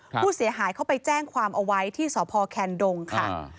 ค่ะผู้เสียหายเขาไปแจ้งความเอาไว้ที่สอบภอร์แคนดงค่ะอ่า